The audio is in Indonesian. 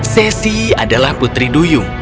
sesi adalah putri duyung